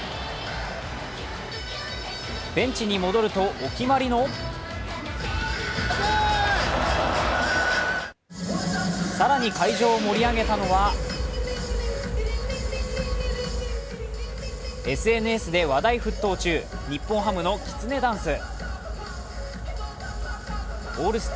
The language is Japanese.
ベンチに戻るとお決まりの更に会場を盛り上げたのはＳＮＳで話題沸騰中、日本ハムのキツネダンス。